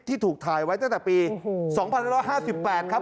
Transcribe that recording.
ที่ถูกถ่ายไว้ตั้งแต่ปีโอ้โหสองพันร้อยห้าสิบแปดครับ